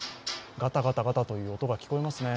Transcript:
ガタガタガタという音が聞こえますね。